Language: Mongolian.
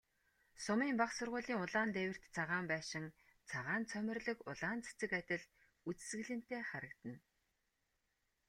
Сумын бага сургуулийн улаан дээвэрт цагаан байшин, цагаан цоморлог улаан цэцэг адил үзэсгэлэнтэй харагдана.